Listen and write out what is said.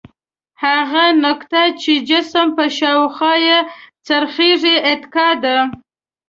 هغه نقطه چې جسم په شاوخوا څرخي اتکا ده.